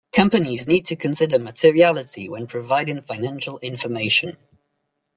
Companies need to consider materiality when providing financial information.